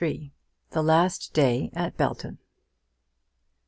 THE LAST DAY AT BELTON.